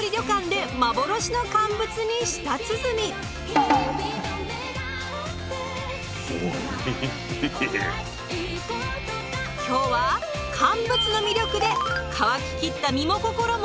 今日は乾物の魅力で乾ききった身も心も潤していきますよ。